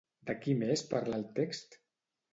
De qui més parla el text?